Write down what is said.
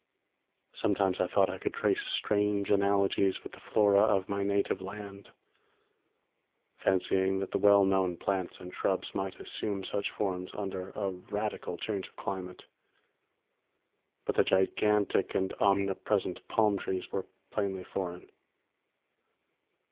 Sometimes I thought I could trace strange analogies with the flora of my native land, fancying that the well known plants and shrubs might assume such forms under a radical change of climate; but the gigantic and omnipresent palm trees were plainly foreign.